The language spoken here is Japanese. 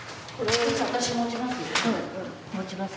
先生私持ちます。